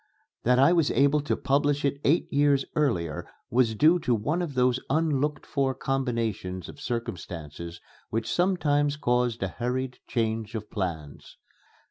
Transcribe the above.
That I was able to publish it eight years earlier was due to one of those unlooked for combinations of circumstances which sometimes cause a hurried change of plans.